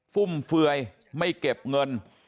ฟุ่มเฟือยไม่เก็บเงิน